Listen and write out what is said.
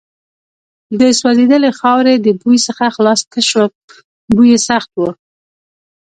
د سوځېدلې خاورې د بوی څخه خلاص نه شوم، بوی یې سخت و.